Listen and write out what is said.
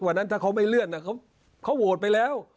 วันนั้นถ้าเขาไม่เลื่อนเขาโหวตไปแล้ว